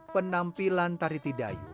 penampilan tari tidayu